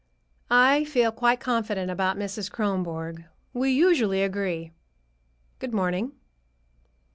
I feel quite confident about Mrs. Kronborg. We usually agree. Good morning."